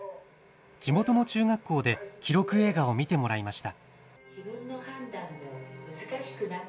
地元の中学校で、記録映画を見てもらいました。